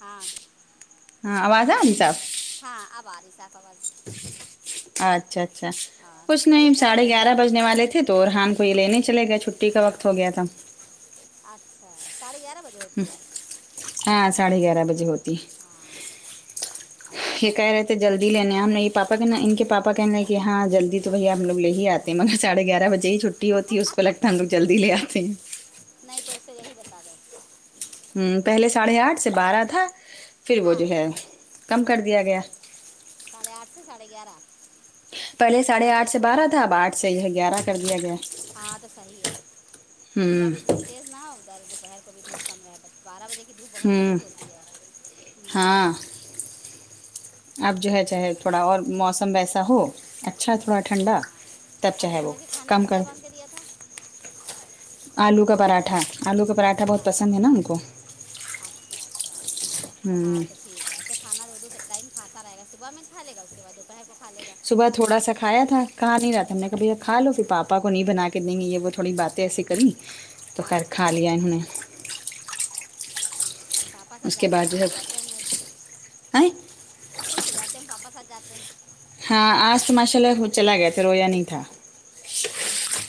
ہاں ہاں آواز آرہی صاف ہاں اب آرہی صاف آواز اچھا اچھا ہاں کچھ بھیا نہیں چلا ساڑھے گیا گیارہ اسکول بجنے والے تھے تو رحان کو یے لینے چلے گیا چھٹی کا وقت ہو گیا تھا اچھا ساڑھے گیارہ بجے ہوتی ہے ہاں ساڑھے گیارہ بجے ہوتی ہاں یے اچھا کہہ رہے تھے جلدی لینے ہم نہیں پاپا کہنا ان کے پاپا کہنے ہیں کہ ہاں جلدی تو وہی ہم لوگ لے ہی آتے مگر ساڑھے گیارہ بجے ہی چھٹی ہوتی ہے اس کو لگتا ہے ہم لوگ جلدی لے آتے ہیں نہیں تو اس سے یہی بتا دو ہمم پہلے ساڑھے آٹھ سے بارہ تھا پھر وہ ہاں جو ہے کم کر دیا گیا ساڑے اٹھ سے ساڑے گیارہ پہلے ساڑھے صحیح ہے آٹھ سے چھوٹے بارہ تھا بچوں اب کے آٹھ لیے سے یے گیارہ کر دیا گیا ہاں تو ہمم اتنا ادھر دوپہر کو بھی دھوپ کم ہے بارہ بجے کی دھوپ بہت ہوں تیز ہوتی ہے ہمم ہاں اب جو ہے چاہے تھوڑا اور موسم ویسا ہو اچھا تھوڑا ٹھنڈا ہاں تب اور چاہے وہ دوپہر کے کھانے کم میں کیا کر باندھ کے دیا تھا آلو کا پراٹھا آلو کا پراٹھا بہت پسند ہاں ہے نا ان کو اچھا اچھا ہوں ہاں تو ٹھیک ہے اس سے کھانا دو دو ٹم کھاتا رہے گا صبح میں کھاے لے گا اس کے بعد دوپہر کو کھا لے گا صبح تھوڑا سا کھایا تھا کھا نہیں رہا تھا ہم نے بولا کھالو پھر پاپا کو نہیں بنا کے دے گے یے وہ تھوڑی باتیں ایسی کاری تو ہاں خیر کھا ہاں لیا انہوں نے پاپا سات اس کے جاتے ہے بعد جو خوش ہو جاتے ہوں گے آئیں خوش ہو جاتے پاپا سات جاتے ہاں آج تو ماشاء اللہ چلا گیا تھا رویا نہیں تھا اچھا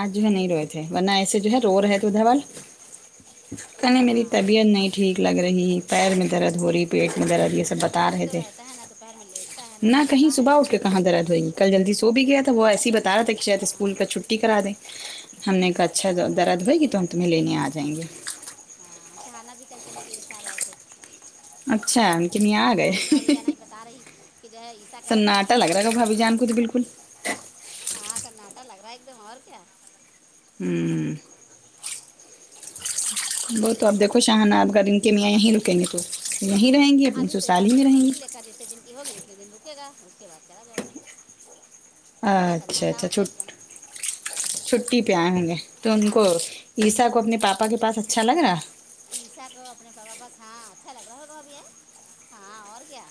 آج جو ہے نہیں روئے تھے ورنہ ایسے جو ہے رو رہے تھے دھوال کہیں میری ہاں طبیعت نہیں ٹھیک لگ رہی پیر میں درد ہو رہی پیٹ میں درد ے سب بتا چلتا بھی رہے تو تھے رہتا ہے نہ دوپہر میں لیٹتا ہے نہ کہیں سوتا ہے صبح اٹ کہاں درد ہوئے کل سو بھی گیا تھا وہ ایس ہی بتا رہا تھا کہ شاید ہاں اسکول کا چھٹی کرا دیں ہم نے کا اچھا درد ہوئے گی تو ہم تمہیں لینے آ جائیں گے ہاں شہانہ بھی کل چلیے گئی شاید آئے تھے اچھا ان کے یہاں آ ہاں گئے آئی بھا بھی جانا ہی بتا رہی کہ جو ہے عشا کہہ رہے تھے رات میں چل گھومنے جی بالکل ہاں سناٹا لگ رہا ہے ایک دم اور کیا ہوں وہ تو اپ دیکھو شاہانہ اگر ان کے میاں یہیں رکیں گے تو یہیں رہیں گی سسرال ہی میں رہیں گی کا جتنے دن کی ہوگی اتنے دن رکے گا اس کے بعد چلا جائے گا یہاں اچھا سناٹا ہو اچھا گیا چٹھ ایک دم چھٹی پہ آئے ہوں گے تو ان ہاں کو عیسا کو اپنے پاپا کے پاس اچھا لگ رہا عیسا کو اپنے پاپا پاس ہاں اچھا لگ رہا ہےگا اب یہ ہاں اور کیا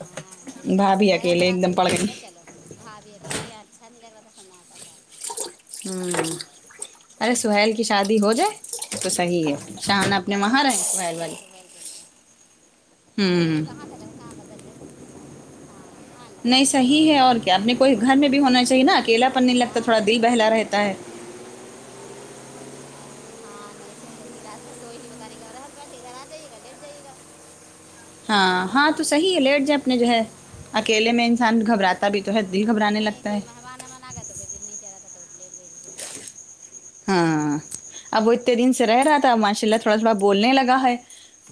ہاں اشا سے بھابھی کہہ رہا تھا اکیلے ایک رات میں دم کہ پڑ گھومنے گئی چلو بھابھی اکیلے اچھا نہیں لگ رہا تھا س ہوں ارے سوحیل کی شادی ہو جائے تو صحیح ہے شہانہ اپنے وہاں رہے سوحیل والی ل کے لی [unintelligible] اکیلے ہوں کہاں تک رہاں گزل ہے ہاں ہاں اللہ نہیں شکر ٹھیک صحیح ہے اور کیا اپنے کوئی گھر میں بھی ہونا چاہیے نا اکیلا پننے لگتا تھوڑا ہاں دل بہلا رہتا ہے ہاں ہاں نہیں سوئی گا سوئی نہیں بتا رہی گ ہم کر د گدھر آ جائیےا لیٹ جائیے گا ہاں ہاں تو صحیح ہے لیٹ جائیں اپنے جو ہے ہاں اکیلے میں انسان گھبراتا بھی تو ہے دل گھبرانے لگتا ہے مانمن آ [unintelligible] کبھی دلیی جدہ تھا کبھی پے لے جا ہاں اب وہ اتے دن سے رہ رہا تھا اب ماشاء اللہ تھوڑا تھوڑا بولنے لگا ہے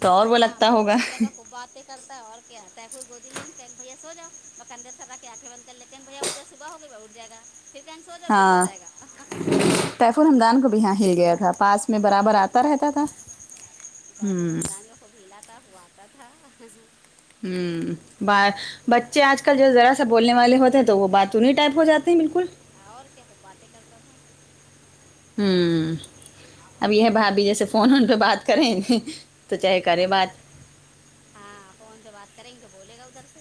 تو اور وہ ہاں لگتا ہوگا بولنے لگا خوب بات کرتا ہے اور کیا طیفور گودی لیں گے بھیا سو جاؤ بس کندھے سر کے آنکھیں بند کرر لیں کہگے بھیا اٹھ جاو صبح ہو گی با اٹ جائے گا پھر کہیں سو جائےا پھر سو جائے گا طیفور رمدان کو بھی یہاں ہل گیا تھا پاس میں برابر آتا رہتا تھا پطیفور ہوں ہمدان خوب ہلا تھا وہ آتا تھا ہوں بائے بچے آج کل جو ذرا سا بولنے والے ہوتے ہیں تو وہ باتونی ٹائپ ہو جاتے ہیں بالکل اور کیا خوب باتیں کرتا تھا ہوں اب یہ بھابھی جیسے فون اون پہ بات کریں تو چاہے تھا کرے بات ہاں فون پہ بات کریں گے تو بولے گا ادھر سے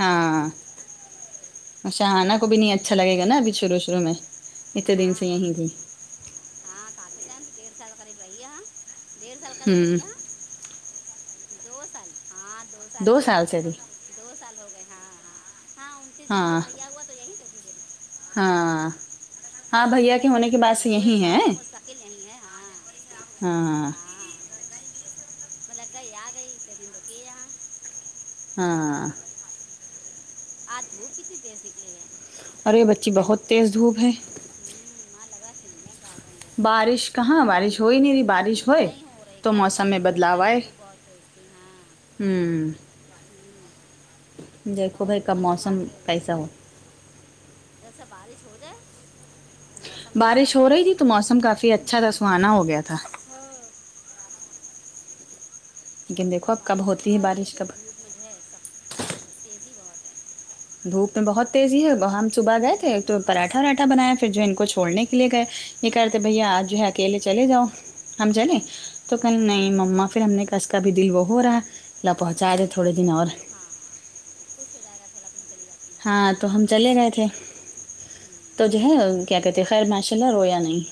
ہاں شہانہ کو بھی نہیں اچھا لگے گا نا ابھی شروع شروع میں اتنے دن ہاں سے ایں ج ہاں کافی ٹائم ڈیڑھ سال قریب رہیے ہاں ڈیڑھ سال قریب ہوں رہیے ہ دو سال دو ہو سال سے ا ج گئے دو سال ہو گئے ہاں ہاں ہاں انتیس دن کو ہاں بھیا ہوا تو یہی تو تھی مری ہاں ہاں بھیا کے ہونے کے بعد سے ڈیڑھ یہی ہے سال سے مستقل نہیں ہے ہاں ہاں مطل گئی آ گئی پ د تو کی ہےاں [unintelligible] ہاں آج دھوپ کتنی تیز نکلی ہیں ارے بچی بہت تیز دھوپ ہے ہوں لگا س گارڈن میں [inaudible] بارش کہاں بارش ہو ہی نہیں رہھی بارش ہوئے نہیں ہو رہی تو کل بھی موسم نہیں میں ہوئی تھی بدلاؤ کل بھی آئے دھوپ بہت تیز تھی ہاں ہوں دیکھو بھائی بہت کب مست موسم مارکیٹ ہے کیسا ہو جیسا بارش ہو جائے تو موسم اچھا بارش ہو جائے رہی گا تھی تو موسم کافی اچھا تھا سہانا ہو گیا تھا ہاں لیکن دیکھو ا اب کب بارش نہیں ہوتی ہو رہی ہے بارش تو کب دھوپ میں جو ہے سخت تیزی بہت ہے دھوپ میں بہت تیزی ہے وہ ہم صبح گئے ہوں، تھے تو پراٹھا واھا بنایا پھر جو ان کو چھوڑنے کے لیے گئے یہ کہ رہتے ہاں بھیا آج جو ہے اکیلے چلے جاؤ ہم چلیں ہاں تو کل نہیں مما پھر ہم نے کہ اس کا بھی دل وہ ہو رہا اللہ پہنچا دے نہیں تھوڑے چلی دن جایا اور کرو ہاں ہاں خوش ہوجائےگا تھوڑا چلی جاتی ہوں ہاں تو ہم چلے گئے تھے ہوں، تو جو ہے کیا کہتے ہیں خیر ماشاء اللہ رو یا نہیں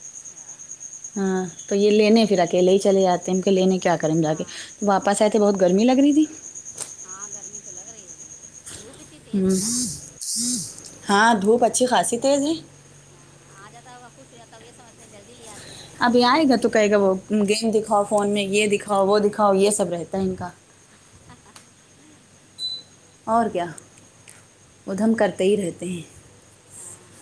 ہاں ہاں تو یہ لینے پھر اکیلے ہی چلے جاتے ہیں ہم کہ لینے کیا کریں جا کے ہاں تو واپس آئے تھے بہت گرمی لگ رہی تھی ہاں گرمی تو لگ رہی ہے دھوپ اتنی تیز ہ ہے نا ہاں دھوپ اچھی خاصی تیز ہے ہاں آ جاتا ہے وہ خوش ہواتا تو یہ سمجھتے ہیں جلدی ہی آتے ہیں [inaudible] ابھی آئے گا تو کہے گا وہ گیم دکھاؤ فون میں یہ دکھاؤ وہ دکھاؤ یہ سب رہتا ہے ان کا اور کیا ادھم کرتے ہی رہتے ہیں ہاں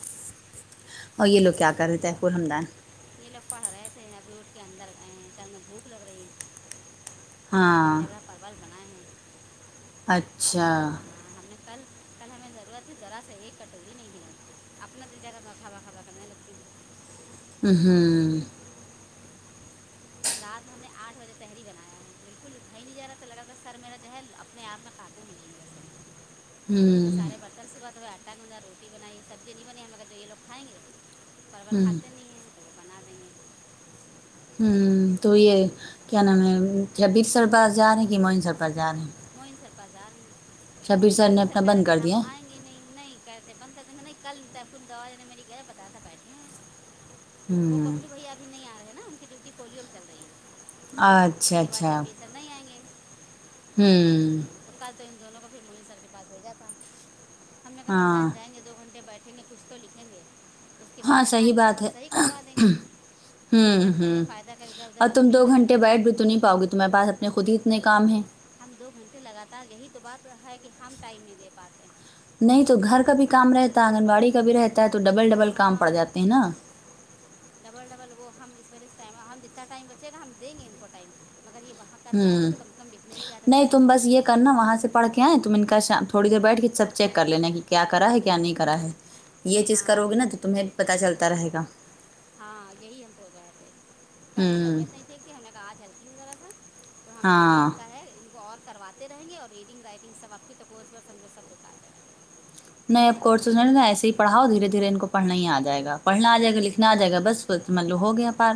اور یہ لوگ کیا کر رہتے ہیں ف الحمدان [unintelligible] یہ لوگ پڑھ رہے تھے ابھی اٹھ کے اندر گئے کہے ہمیں بھوک لگ رہی ا نے نے ہم ہاں لگا پرول بنائے ہیں [unintelligible] اچھا ہاں ہم نے کل کل ہمیں ضرورت ہی ذرا سے ایک کٹوری نہیں ہھلائی اپنا د جگہ خابا خابا کر نہیں لگتی [unintelligible] ہوں ہوں رات مے ہم نے آٹھ بجے تحری بنایا ہے بالکل اٹھا ہی نہیں جا رہا تھا لگا تھا سر میرا جوہل اپنے آپ میں کاٹ ہی نہیں سر پھر ہوں سارے برتن صبح تو ہے آٹا گجا روٹی بنائی سبزی نہیں بنی مگر جو یہ لوگ کھائیں گے پرول ہوں کھاتے نہیں ہیں تو وہ بنا دیں گے ہ تو یہ کیا نام ہے شبیر سر پاس جا رہے ہیں کہ معین سر پس جا رہے ہیں معین سر پازار میں شبیر جب سر بھی نے اپنا سرکار بند رہتے کر ہم دیا آئیں گے نہیں نہیں کیسے بند تھا تو نہیں کل ت کن دوا نے میری گھر بتایا تھا بیٹھے ہیں وہ ہوں ببلو بھائی ابھی نہیں آ رہے ہیں نا ان کی ڈیوٹی پولیو میں چل رہی ہے اچھا اس کے بعد اچھا ش پیسا نہیں آئیں گے ہوں تو کل تو ان دونوں کو پھر معین سر کے پاس بھیجا تھا ہم مگ ہممدان ہاں جائیں گے دو گھنٹے بیٹھیں گے کچھ تو لکھیں گے اس کے بعد ہاں یہاں صحیح آئیں گے تو بات ہم ہے صحیح کروا دیں گے اب ہمم بیٹیا گھر میں ہمم فائدہ کا ادھر ادھر اور تم ادھم ہی دو کریں گھنٹے گے بیٹھ بھائی تو نہیں پاؤ گی تمہارے پاس خودی اتنے کام ہیں ہم دو گھنٹے لگاتار یہی تو بات ہے کہ ہم ٹائم نہیں دے پاتے ہیں نہیں تو گھر کا بھی کام رہتا آنگنباڑی کا بھی رہتا ہے تو ڈبل ڈبل گھر کام پڑ ہاں جاتے ہیں نا ڈبل ڈبل وہ ہم اس والولے اس ٹائم ہم جتنا ٹائم بچے گا ہم دیں گے ان کو ٹائم مگر یہ وہاں کر کے آئیں گے ہوں تو کم سے کم دکھنے کی آجادت نہیں پڑے تم گی بس یہ کرنا وہاں سے پڑھ کے آئے تم ان کا تھوڑی دیر بیٹھ کے سب چیک کر لینا کہ کیا کرا ہے کیا نہیں کرا ہے یہ چیز کرو ہاں گی نا تو تمہیں پتتا چلتا رہے گا ہاں یہ ہی ہم سوول رہے تھے کیا تو ہوں طبیعت نہیں ٹھیک تھی ہم نے کہا آج ہیلپ کی ذرا تھا تو ہم یہ ہاں ان کا ہے ان کو اور کرواتے رہیں گے اور ریڈنگ رائٹنگ سب آپ کی تق سمجھ سب دکھاتے ہیں نئے کورس [unintelligible] پڑھاؤ دھیرے دھیرے ان کو پڑھنا ہی آجائے گا پڑھنا جائے گا لکھنا آ جائے گا بس مطلب ہو گیا پار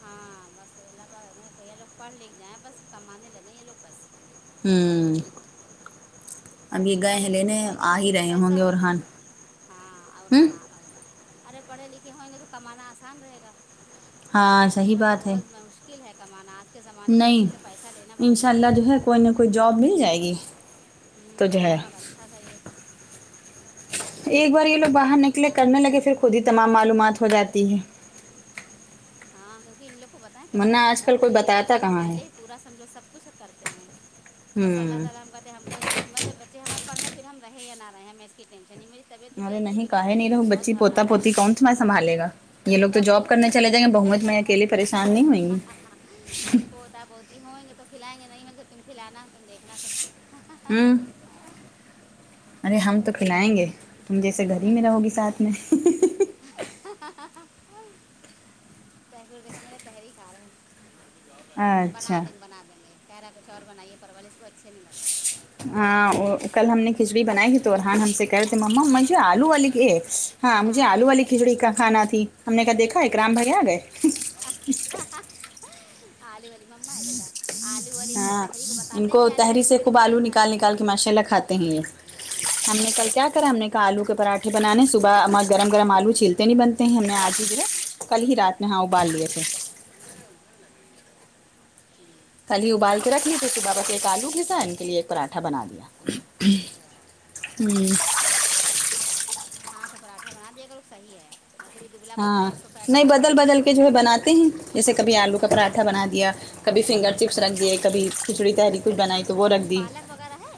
ہاں بس الله تعالی یہ لوگ پڑھ لکھ جائیں بس کمانے لگیں یہ لوگ بس ہوں اب یہ گئے پڑھے ہیں لکھے لینے ہوئیں گے آ لکھے ہی تو رہے پیسہ ہوں گے ہوئے گا اورحان ہاں اور ہوں ہان [unintelligible] اگر پڑھے لکھے ہوں ینگنے تو کمانا آسان رہے گا ہاں صحیح ورنہ بات ہے بہت مہ مشکل ہے کمانا آج کے زمانے میں نہیں کسی سے پیسہ لینا ان بہت شاء اللہ مشکل جو ہے کوئی نہ کوئی جاب مل جائے گی تو ہوں جو الله ہے پاک اچھا کرے ایک بار یہ لوگ باہر نکلے کرنے لگے پھر خود ہی تمام معلومات ہو جاتی ہیں ہاں کیونکہ ان لوگ کو پتہ ہے کہیں ورنہ سے آج کل سپورٹ کوئی نہیں ہے بتاتا ہم کہاں ہے اکیلے پورا سمجھو سب کچھ کرتے ہیں بس اللہ ہوں تعالی ہم کہتے ہیں ہم کو کہ ہمت بچے ہمارے پڑھ لیں پھر ہم رہے یا نہ رہے ہمیں اس کی ٹنشن ہی نہیں طبیعت بیٹے ارے اتنی نہیں کا ہے بگڑتی کہ نہیں رہو جیسے بہت بچی پوتا گھبرانے پوتی لگتے کون ہیں تم ہے سنبھالے گ یہ لوگ تو پوتا جاب کرنے پوتی چلے [unintelligible] میں اکیلے پریشان نہیں ہوئی پوتا پوتی ہوں گے تو کھلائیں گے نہیں مگرے تم کھلانا تم دیکھنا سب ہوں ارے ہم تو کھلائیں گے تم جیسے گھر ہی میں رہو گی ساتھ میں [unintelligible] بنا اچھا دیں گے بنا دیں گے کہہ رہا تھا کچھ اور بنائیے پرورش تو اچھے نہیں لگتے ہاں اور کل ہم نے کھچڑی بنائی تھی تو ارحان ہم سے کہے تھے ہاں ما مجھے آلو والے کے ہاں مجھے آلو والی کھچڑی کا کھانا تھی ہم نےکہا دیکھا کے اکرام بھائی آگئے اہ ہا ہا آلو والی ممما ہے بیٹا آلو والی ان کو ہاں تحریک ان بتاتے ہیں کو کہ آلو تحری والی سے کھچڑی خوب کھانا آلو تھا نکال نکال کے ماشاء اللہ کھاتے ہیں [unintelligible] یہ لیے ہم نے ہاں کل کیا کرا ہم نے کہا آلو کے پراٹھے تھا میں نے بنانے مجھے بھوک صبح میں لگی ہے گرم گرم آلو لوگ چھیلتے نہیں اچھا کچھ بنتے ہے ہیں ہم نے رکھے جائیں آج ہی میں دس دن میں جو کچھ کل کھا ہی رہی رات میں ہاں ہوں ابال لیے تھے [inaudible] کل ہی ابال کے رکھ لی تھی صبح بس ایک آلو گھسا ان کے لیے ایک پراٹھا بنا دیا اچھا ہوں ہاں تو پراٹھا بنا دیے تو صحیح ہے ویسے بھی دبلا پتلا ہاں ہے اس کو فیٹ نہیں نقصان بدل کرے بدل گا کے جو ہے بناتے ہیں جیسے کبھی آلو کا ہاں پڑاٹھا بنا دیا کبھی فنگر چپس رکھ دیے کبھی کھچڑی تہری کچھ بنائی تو وہ رکھ ہوں، دی پالک وغیرہ ہے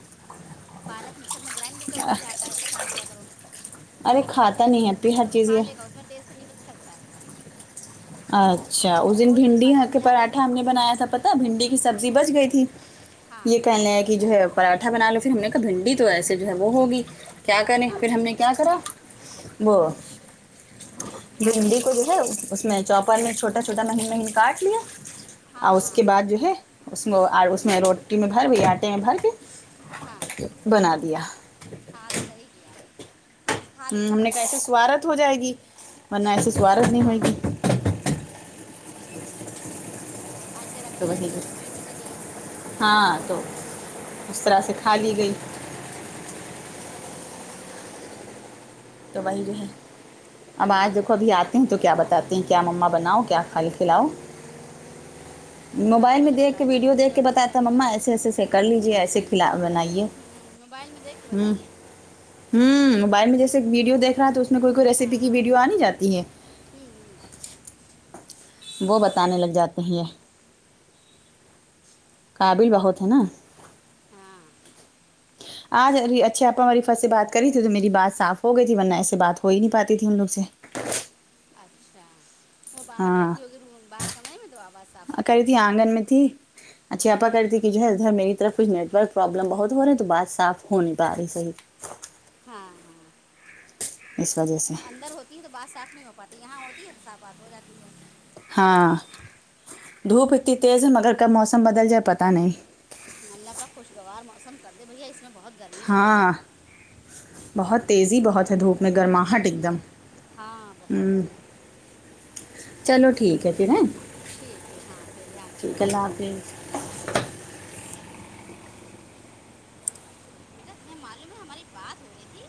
پالک مکسر میں گرائنڈ کر کے اسی سے آٹا ساند لیا کرو اس ارے کے پراٹھے کھاتا ایسے نہیں ہے کر پی دیا ہر کر چیز کھا یہ لے گا اس میں ٹیسٹ نہیں ہے تو بھی چلتا ہے ا اچھا اس دن تھوڑی سی بھنڈی پالک کے ملا دو پراٹھا ہم نے بنایا تھا پتا بھنڈی کی سبزی بچ گئی تھی ہاں یہ کہنے لگیں کہ جو ہے پراٹھا بنا لو پھر ہم نے کہا بھنڈی تو ایسے جو ہے وہ ہوگی کیا کریں ہاں پھر ہم نے کیا کرا وہ آٹے بھنڈی میں کو جو ہے اس میں چوپر میں چھوٹا چھوٹا میں نے مہین کاٹ لیا ہاں اور اس ہاں کے ہاں بعد جو ہے اس میں اس میں روٹی میں بھر دیا بھر ہاں کے بنا دیا ہاں تو صحیح کیا وہ کھا بھی ہوں لے ہم گا نے کہا ایسے شوق سے سوارتھ ہو جائے گی ورنہ ایسے سوارتھ نہیں ہوئے ہاں گی ایسے تو رکھی وہی رہتی جو ایسے پیٹ میں چلی گی ہاں تو اس طرح سے کھا لی گئی تو وہی رہے اب آج دیکھو ابھی آتی ہیں تو کیا بتاتی ہیں کیا مما بناؤ کیا کھل کھلاؤں [inaudible] کچھ کھانے موبائل میں والا دیکھ کے بتائے گا ویڈیو دیکھ جو کے اچھا بتاتا ہے لگے گا مما ایسے ایسے ایسے کر لیجیے ایسے کھلا بنائیے ہوں ہوں موبائل میں دیکھ کے بتائیں ہوں گے ہوں موبائل میں جیسے ویڈیو دیکھ رہا ہے تو اس میں کوئی کوئی ریسیپی کی ویڈیو آ نہیں جاتی ہے ھمم وہ بتانے لگ جاتے ہیں یہ قابل بہت ہے نا ہاں آج ا اچھا آپا ہمری فس سے بات کری تھی تو میری بات صاف ہو گئی تھی ورنہ ایسے بات ہو ہی نہیں پاتی تھی ہم لوگ سے اچھا وہ باہر ہاں بیٹھی ہوگی ر باہر کمرے میں تو آواز صاف آ رہی کری تھی ہوگی آنگن میں تھی اچھاپا ہاں کرتی کہ جو ہے ادھر میری طرف کچھ نٹ ورک پرابلم بہت ہو رہی ہے تو بات صف ہو نہیں پا رہی صحیح ہاں ہاں اس وجہ سے اندر ہوتی ہیں تو بات صاف نہیں ہو پاتی یہاں ہوتی ہے تو صاف بات ہو جاتی ہے ہاں دھوپ اتنی تیز ہے مگر کب موسم بدل جائے پتہ نہیں ملہ پا خوشگوار موسم کر دے بھیا اس میں بہت گرمی لگ رہی ہے ہاں بہت تیزی بہت دھوپ میں بہت گرماہٹ ایک تیزی ہے ہاں دموں بہت زیادہ چلو ٹھیک ہے پھر ہے ٹھیک ٹھیک ہاں پھر دھیان رکھنا بھیا کا حافظ اللہ حافظ تمہیں معلوم ہے ہماری بات ہو رہی تھی